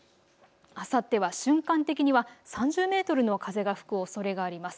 あさっては瞬間的には３０メートルの風が吹くおそれがあります。